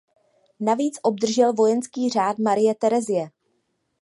Navíc obdržel Vojenský řád Marie Terezie.